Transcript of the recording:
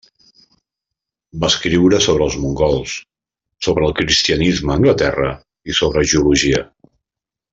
Va escriure sobre els mongols, sobre el cristianisme a Anglaterra i sobre geologia.